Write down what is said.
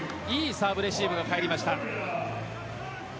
サーブレシーブが返りました。